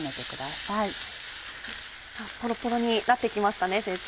ポロポロになって来ましたね先生。